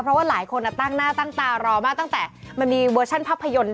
เพราะว่าหลายคนตั้งหน้าตั้งตารอมากตั้งแต่มันมีเวอร์ชันภาพยนตร์